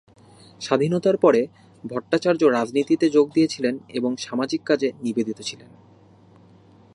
স্বাধীনতার পরে ভট্টাচার্য রাজনীতিতে যোগ দিয়েছিলেন এবং সামাজিক কাজে নিবেদিত ছিলেন।